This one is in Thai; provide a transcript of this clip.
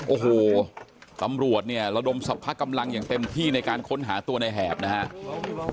โอ้โหตำรวจเนี่ยระดมสรรพกำลังอย่างเต็มที่ในการค้นหาตัวในแหบนะครับ